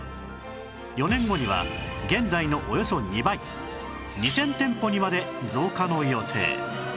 ４年後には現在のおよそ２倍２０００店舗にまで増加の予定